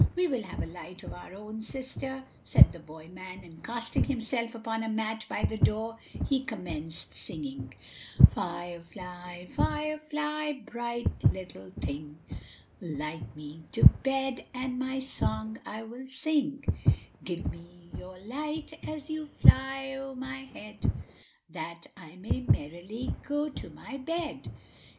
"We will have a light of our own, sister," said the boy man; and, casting himself upon a mat by the door, he commenced singing:= ```Fire fly, fire fly, bright little thing, ```Light me to bed and my song I will sing; ```Give me your light, as you fly o'er my head, ```That I may merrily go to my bed.